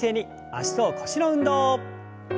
脚と腰の運動。